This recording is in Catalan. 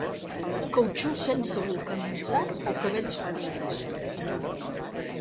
Cautxús sense vulcanitzar o cabells postissos.